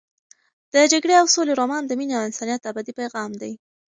د جګړې او سولې رومان د مینې او انسانیت ابدي پیغام دی.